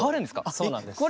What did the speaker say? そうなんです。